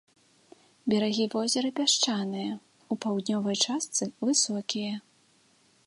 Берагі возера пясчаныя, у паўднёвай частцы высокія.